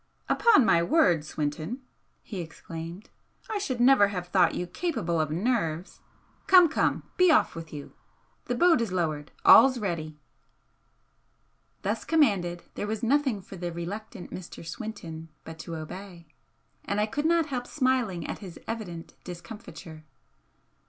"Upon my word, Swinton!" he exclaimed "I should never have thought you capable of nerves! Come, come! be off with you! The boat is lowered all's ready!" Thus commanded, there was nothing for the reluctant Mr. Swinton but to obey, and I could not help smiling at his evident discomfiture.